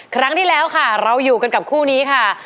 ครั้งที่แล้วค่ะเราอยู่กันกับคู่นี้ค่ะ